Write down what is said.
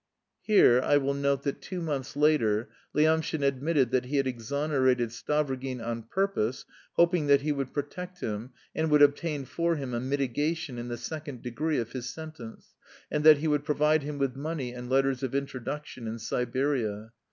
Here I will note that two months later, Lyamshin admitted that he had exonerated Stavrogin on purpose, hoping that he would protect him and would obtain for him a mitigation in the second degree of his sentence, and that he would provide him with money and letters of introduction in Siberia.